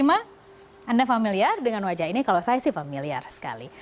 anda familiar dengan wajah ini kalau saya sih familiar sekali